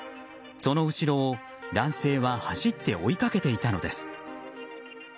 その後ろを、男性は走って追いかけていたのです。